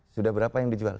sudah berapa yang dijual